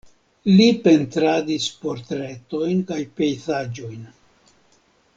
Li pentradis portretojn kaj pejzaĝojn.